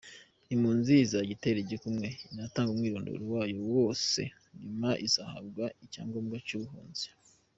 Impunzi izajya itera igikumwe inatange umwirondoro wayo wose nyuma izahabwe icyangombwa cy’ubuhunzi.